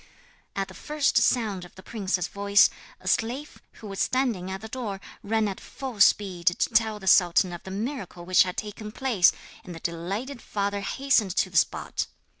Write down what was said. At the first sound of the princess's voice, a slave, who was standing at the door, ran at full speed to tell the sultan of the miracle which had taken place, and the delighted father hastened to the spot.